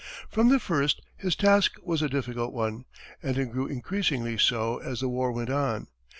From the first, his task was a difficult one, and it grew increasingly so as the war went on.